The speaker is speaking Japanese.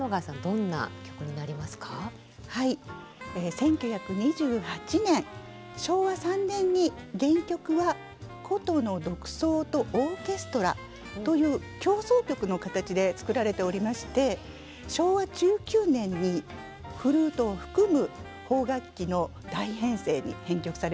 １９２８年昭和３年に原曲は箏の独奏とオーケストラという協奏曲の形で作られておりまして昭和１９年にフルートを含む邦楽器の大編成に編曲されました。